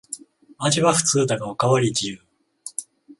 味は普通だがおかわり自由